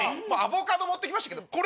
アボカド持ってきましたけど。